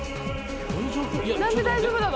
何で大丈夫なの？